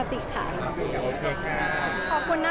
ผมที่นี้ก็ใช้ชีวิตปกตินะครับ